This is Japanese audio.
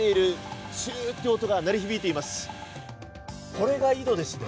これが井戸ですね。